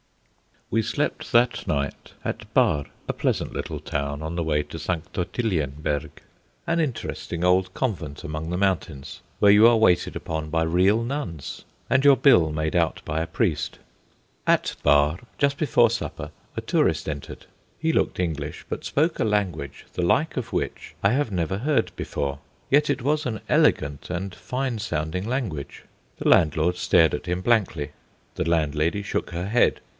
We slept that night at Barr, a pleasant little town on the way to St. Ottilienberg, an interesting old convent among the mountains, where you are waited upon by real nuns, and your bill made out by a priest. At Barr, just before supper a tourist entered. He looked English, but spoke a language the like of which I have never heard before. Yet it was an elegant and fine sounding language. The landlord stared at him blankly; the landlady shook her head.